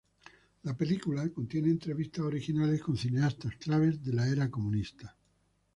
La película contiene entrevistas originales con cineastas clave de la era comunista.